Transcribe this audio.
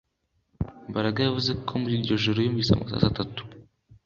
Mbaraga yavuze ko muri iryo joro yumvise amasasu atatu